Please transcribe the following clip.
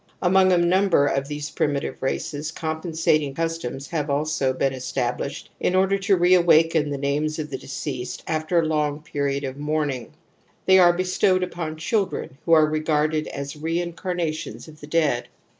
Among a number of these primitive races^ compensating customs have also been established in order to re awaken the names of the deceg^sed after a long period of mourning ; they are bestowed upon children who were regarded as reincarnations of the dead.